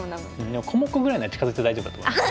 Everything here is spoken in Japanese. でも小目ぐらいなら近づいて大丈夫だと思います。